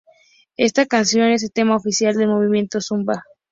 Esta canción es el tema oficial del movimiento Zumba.